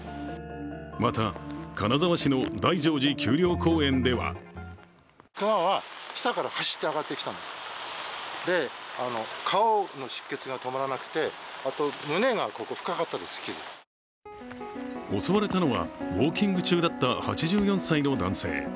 また、金沢市の大乗寺丘陵公園では襲われたのはウォーキング中だった８４歳の男性。